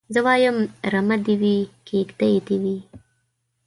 زه وايم رمه دي وي کيږدۍ دي وي